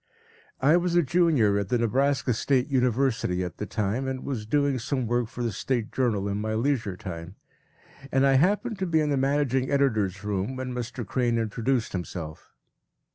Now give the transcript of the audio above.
I was a Junior at the Nebraska State University at the time, and was doing some work for the State Journal in my leisure time, and I happened to be in the managing editor’s room when Mr. Crane introduced himself.